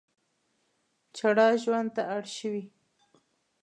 چړه ژوند ته اړ شوي.